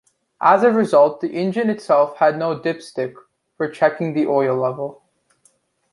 As a result, the engine itself had no dipstick for checking the oil level.